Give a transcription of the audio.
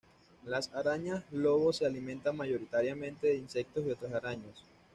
Las arañas lobo se alimentan mayoritariamente de insectos y otras arañas.